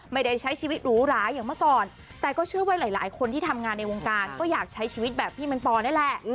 ไม่ได้ใช้ชีวิตหรูหราอย่างเมื่อก่อนแต่ก็เชื่อว่าหลายคนที่ทำงานในวงการก็อยากใช้ชีวิตแบบพี่แมงปอนี่แหละ